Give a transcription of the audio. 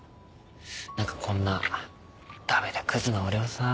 何かこんな駄目でクズな俺をさ。